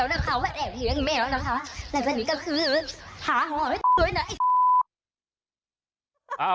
อ๋อเว้นกำ